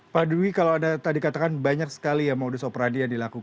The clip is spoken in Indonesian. pak dwi kalau anda tadi katakan banyak sekali ya modus operandi yang dilakukan